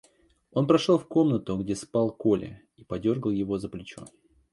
Он прошел в комнату, где спал Коля, и подергал его за плечо.